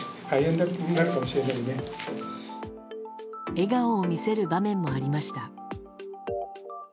笑顔を見せる場面もありました。